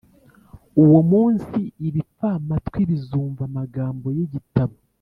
Uwo munsi, ibipfamatwi bizumva amagambo y’igitabo,